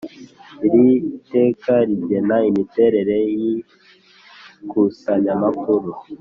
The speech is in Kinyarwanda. Iri teka rigena imiterere y ikusanyamakuru